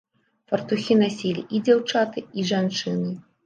Фартухі насілі і дзяўчаты, і жанчыны.